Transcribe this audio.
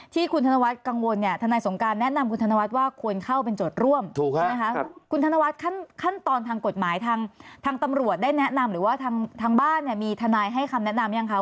ทางตำรวจได้แนะนำหรือว่าทางบ้านมีทนายให้คำแนะนำหรือยังคะ